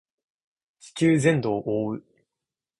地球全土を覆う